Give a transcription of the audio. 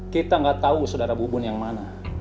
kita gak tau saudara bu bun yang mana